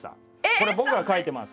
これ僕が書いてます。